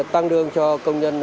tăng lương cho công nhân